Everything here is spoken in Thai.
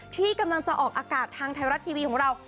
ที่กำลังจะออกอากาศทางไทยรัฐทีวีของเรา